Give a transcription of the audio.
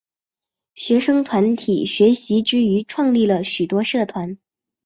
学生团体学习之余创立了许多社团。